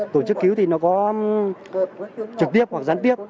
tổ chức cứu thì nó có trực tiếp hoặc gián tiếp